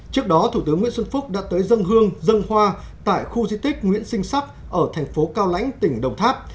trước đó thủ tướng nguyễn xuân phúc đã tới dân hương dân hoa tại khu di tích nguyễn sinh sắc ở thành phố cao lãnh tỉnh đồng tháp